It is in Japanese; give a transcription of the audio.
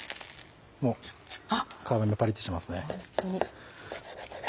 もう皮がパリっとしてますね。